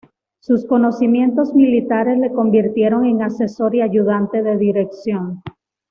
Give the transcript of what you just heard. Sus conocimientos militares le convirtieron en asesor y ayudante de dirección.